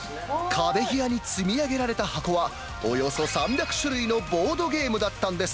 壁際に積み上げられた箱は、およそ３００種類のボードゲームだったんです。